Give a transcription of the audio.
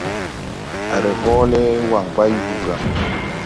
A ree hɔɔle waŋ bay wuu gà.